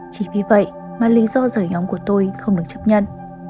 chỉ vì vậy mà lý do rời nhóm của tôi không được chấp nhận